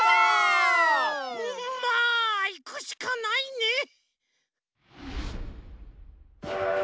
まあいくしかないね。